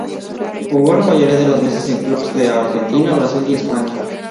Jugó la mayoría de las veces en clubes de Argentina, Brasil y España.